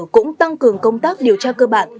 cũng tăng cường công tác điều tra cơ bản